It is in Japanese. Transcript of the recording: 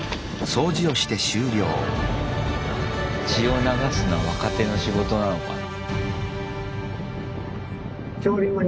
血を流すのは若手の仕事なのかな。